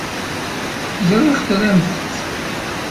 Ẓriɣ tramt-t.